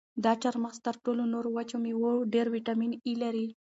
دا چهارمغز تر ټولو نورو وچو مېوو ډېر ویټامین ای لري.